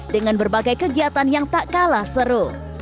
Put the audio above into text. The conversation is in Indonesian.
dengan berbagai kegiatan yang tak kalah seru